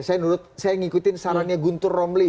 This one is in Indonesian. saya menurut saya mengikuti sarannya gunter romli